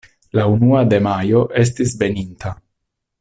La unua de Majo estis veninta.